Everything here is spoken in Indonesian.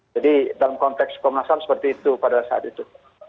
jadi dalam konteks komnasan seperti itu pada saat itu